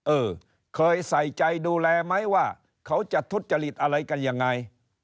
เออเคยใส่ใจดูแลไหมว่าเขาจะทุจริตอะไรกันยังไง